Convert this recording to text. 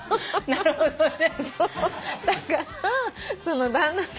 なるほどね。